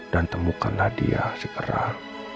dan temukanlah dia sekarang